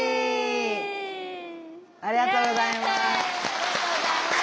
ありがとうございます！